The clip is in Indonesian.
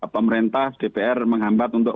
pemerintah dpr menghambat untuk